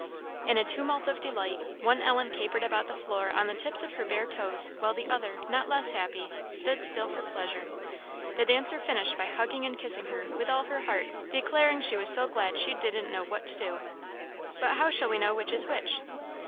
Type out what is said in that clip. In a tumult of delight, one Ellen capered about the floor on the tips of her bare toes, while the other, not less happy, stood still for pleasure. The dancer finished by hugging and kissing her with all her heart, declaring she was so glad, she didn't know what to do. "But how shall we know which is which?"